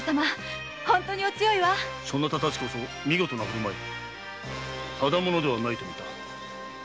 そなたたちこそ見事な振る舞いただ者ではないとみた。